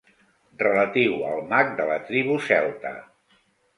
Relatiu al mag de la tribu celta.